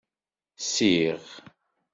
Siɣ.